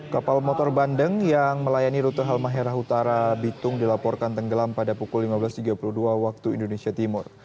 kapal motor bandeng yang melayani rute halmahera utara bitung dilaporkan tenggelam pada pukul lima belas tiga puluh dua waktu indonesia timur